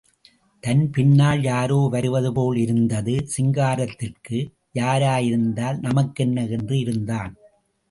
தன் பின்னால் யாரோ வருவது போல் இருந்தது சிங்காரத்திற்கு, யாராயிருந்தால் நமக்கென்ன என்று இருந்தான்.